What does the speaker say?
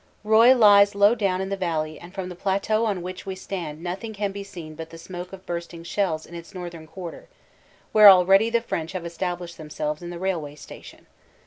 Roye lies low down in the valley and from the plateau on which we stand nothing can be seen but the smoke of bursting shells in its northern quarter, where already the French have established themselves in the railway station.